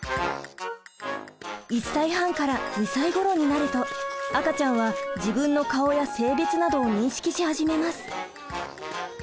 １歳半から２歳ごろになると赤ちゃんは自分の顔や性別などを認識し始めます。